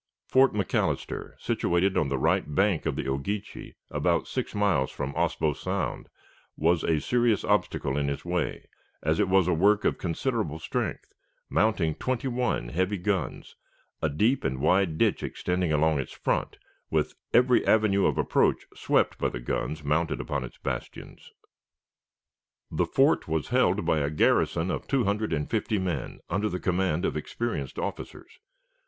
Fort McAllister, situated on the right bank of the Ogeechee, about six miles from Ossabaw Sound, was a serious obstacle in his way, as it was a work of considerable strength, mounting twenty one heavy guns, a deep and wide ditch extending along its front, with every avenue of approach swept by the guns mounted upon its bastions. The fort was held by a garrison of two hundred and fifty men under the command of experienced officers.